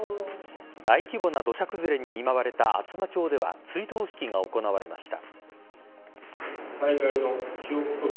大規模な土砂崩れに見舞われた厚真町では追悼式が行われました。